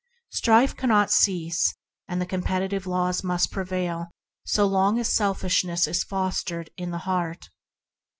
Strife cannot cease and the com petitive laws must prevail so long as selfish ness is fostered in the heart.